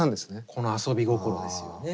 この遊び心ですよね。